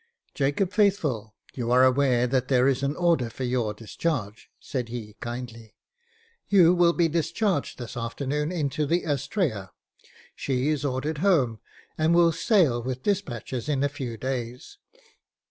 Jacob Faithful, you are aware there is an order for your discharge," said he, kindly. " You will be dis charged this afternoon into the Astrea; she is ordered home, and will sail with despatches in a few days.